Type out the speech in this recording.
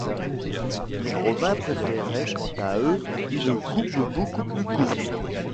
Les Romains préféraient quant à eux une coupe beaucoup plus courte.